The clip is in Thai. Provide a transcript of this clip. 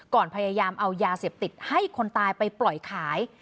พยายามเอายาเสพติดให้คนตายไปปล่อยขาย